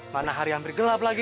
mana hari yang bergelap lagi